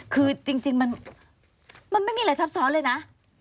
คือจริงมันไม่มีอะไรซับซ้อนเลยนะ